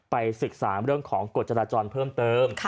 ไปศึกษาเรื่องของกฎจราจรเพิ่มเติม